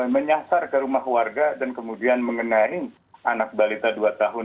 menyasar ke rumah warga dan kemudian mengenai anak balita dua tahun